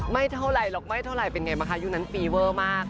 ไม่เท่าไรหรอกไม่เท่าไหร่เป็นไงบ้างคะยุคนั้นฟีเวอร์มาก